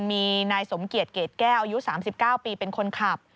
มีนายสมเกียจเกรดแก้วอายุ๓๙ปีเป็นคนขับ